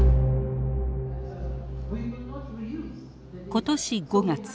今年５月。